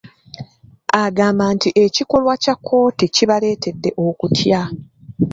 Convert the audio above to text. Agamba nti ekikolwa kya kkooti kibaleetedde okutya.